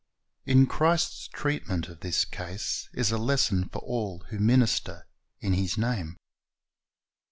In Christ's treatment of this case is a lesson for all who minister in His name.